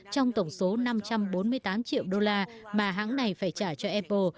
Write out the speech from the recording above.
trong tổng số năm trăm bốn mươi tám triệu đô la mà hãng này phải trả cho apple